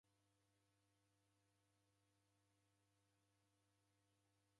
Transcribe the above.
Siw'eghora tee anduangi.